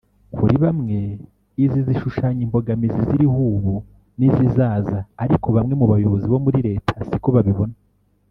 Kuri bamwe izi zishushanya imbogamizi ziriho ubu n’izizaza ariko bamwe mu bayobozi bo muri Leta siko babibona